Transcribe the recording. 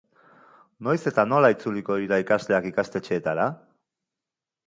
Noiz eta nola itzuliko dira ikasleak ikastetxeetara?